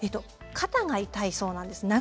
肩が痛いそうです。